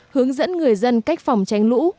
hướng dẫn người dân cách phòng tranh lũ